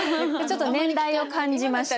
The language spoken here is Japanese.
ちょっと年代を感じました。